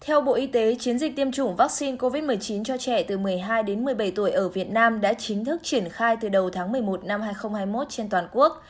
theo bộ y tế chiến dịch tiêm chủng vaccine covid một mươi chín cho trẻ từ một mươi hai đến một mươi bảy tuổi ở việt nam đã chính thức triển khai từ đầu tháng một mươi một năm hai nghìn hai mươi một trên toàn quốc